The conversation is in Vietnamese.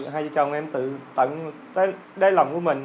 hai vợ chồng em tự tận đáy lòng của mình